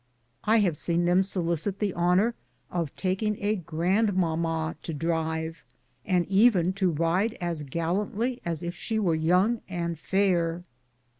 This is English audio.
I have seen them solicit the honor of taking a grandmamma to drive, and even to ride as gallantly as if she were young and fair.